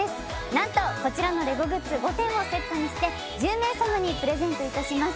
何とこちらのレゴグッズ５点をセットにして１０名様にプレゼントいたします